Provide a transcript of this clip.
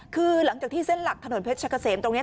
คือหลังจากที่เส้นหลักถนนเพชรกะเสมตรงนี้